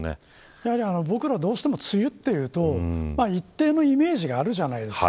やはり僕らどうしても梅雨というと一定のイメージがあるじゃないですか。